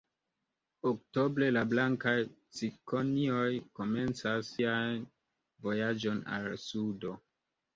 Oktobre la blankaj cikonioj komencas sian vojaĝon al sudo.